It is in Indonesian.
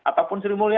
ataupun sri mulyani